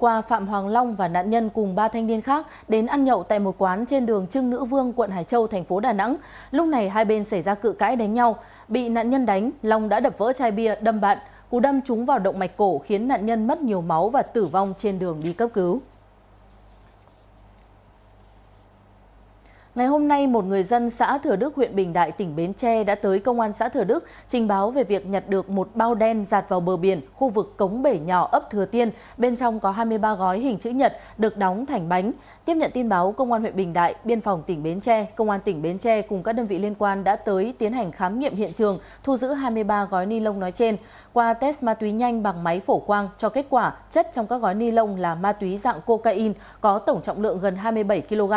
qua test ma túy nhanh bằng máy phổ quang cho kết quả chất trong các gói ni lông là ma túy dạng cocaine có tổng trọng lượng gần hai mươi bảy kg